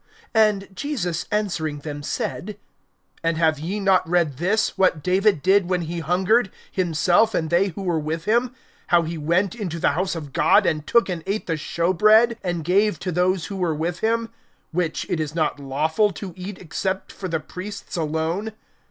(3)And Jesus answering them said: And have ye not read this, what David did when he hungered, himself and they who were with him; (4)how he went into the house of God, and took and ate the show bread, and gave to those who were with him, which it is not lawful to eat except for the priests alone?